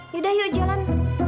yaudah yuk jalan